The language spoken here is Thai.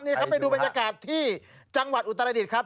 นี่ครับไปดูบรรยากาศที่จังหวัดอุตรดิษฐ์ครับ